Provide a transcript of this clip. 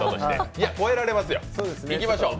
いや、超えられますよ、いきましょう。